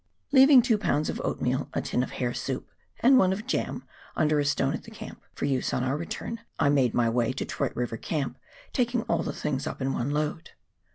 Leaving two pounds of oatmeal, a tin of hare soup, and one of jam, under a stone at the camp, for use on our return, I made my way to Troyte River Camp, taking all the things up in one load.